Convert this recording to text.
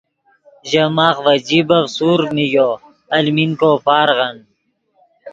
ژے ماخ ڤے جیبف سورڤ نیگو المین کو پارغن